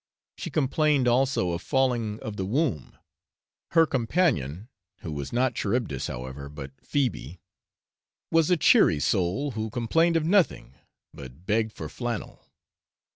She complained also of falling of the womb. Her companion (who was not Charybdis however, but Phoebe) was a cheery soul who complained of nothing, but begged for flannel.